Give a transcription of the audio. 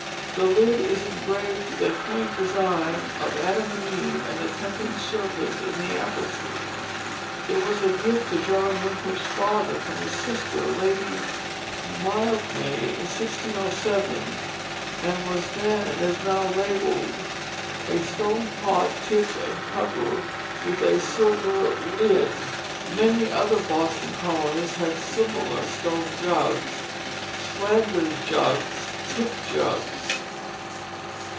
The lid is engraved with a quaint design of Adam and Eve and the tempting serpent in the apple tree. It was a gift to John Winthrop's father from his sister, Lady Mildmay, in 1607, and was then, and is still now, labelled, "a stone Pot tipped and covered with a Silver Lydd." Many other Boston colonists had similar "stone juggs," "fflanders juggs," "tipt juggs."